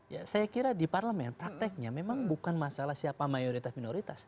ya saya kira di parlemen prakteknya memang bukan masalah siapa mayoritas minoritas